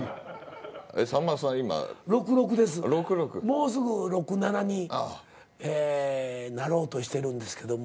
もうすぐ６７になろうとしてるんですけど。